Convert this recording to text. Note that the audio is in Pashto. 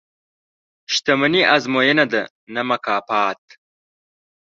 • شتمني ازموینه ده، نه مکافات.